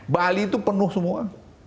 bali itu penuh semua